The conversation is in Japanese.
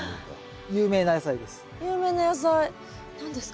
有名な野菜です。